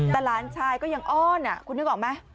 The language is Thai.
แต่หลานชายก็ยังอ้อนคุณนึกออกไหม